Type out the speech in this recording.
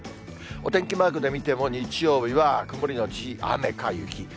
お天気マークで見ても、日曜日は曇り後雨か雪。